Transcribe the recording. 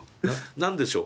何でしょう？